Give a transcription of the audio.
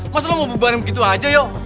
masa lo mau berbaring begitu aja yo